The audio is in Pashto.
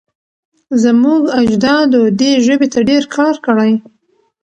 زموږ اجدادو دې ژبې ته ډېر کار کړی.